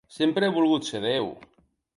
Sempre he volgut ser Déu.